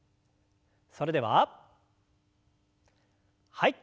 それでははい。